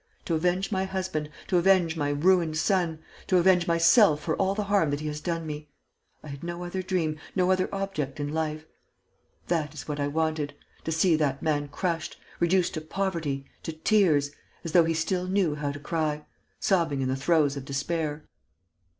To avenge my husband, to avenge my ruined son, to avenge myself for all the harm that he has done me: I had no other dream, no other object in life. That is what I wanted: to see that man crushed, reduced to poverty, to tears as though he still knew how to cry! sobbing in the throes of despair...."